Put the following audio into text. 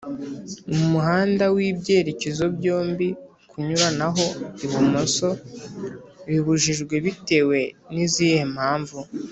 mumuhanda w’ibyerekezo byombi kunyuranaho ibumoso bibujijwe bitewe nizihe mpamvu